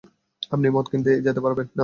আপনি মদ কিনতে যেতে পারবেন না।